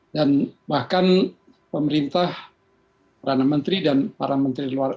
dan bahkan pemerintah rana menteri dan para menteri luar